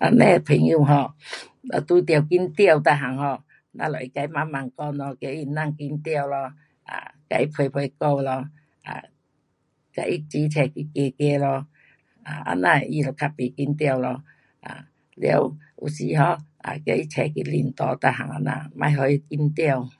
啊咱的朋友 um 若遇到紧张每样 um 咱们会跟他慢慢讲咯，叫他别紧张咯，啊，跟他陪陪聊咯，啊，跟他齐出去走走咯，啊，这样他就较不紧张咯，啊，了有时，啊，跟他齐出去喝茶每样这样，别给他紧张。